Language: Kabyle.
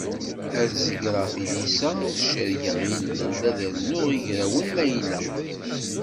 Ad zegreɣ tilisa, ad cargeɣ ilel ad rnuɣ igrawen ma ilaq.